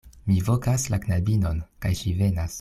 Mi vokas la knabinon, kaj ŝi venas.